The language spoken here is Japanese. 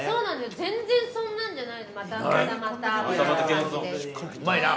全然、そんなんじゃない。